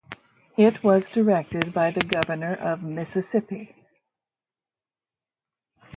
It was directed by the governor of Mississippi.